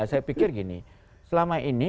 saya pikir gini selama ini